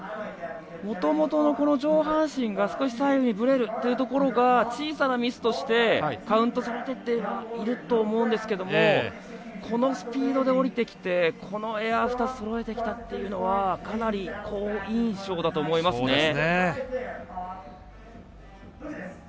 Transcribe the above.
もともとの上半身が少し左右にぶれるというところが小さなミスとしてカウントされてはいると思うんですけどもこのスピードで降りてきてこのエア２つそろえてきたというのはかなり好印象だと思いますね。